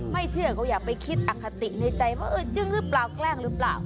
ไม่เชื่อเขาอยากไปคิดอคติในใจว่าเออเรื่องรึเปล่าแกล้งรึเปล่า